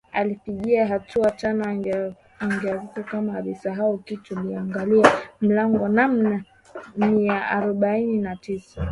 Alipiga hatua tano akageuka kama alisahau kitu akaangalia mlango namba mia arobaini na tisa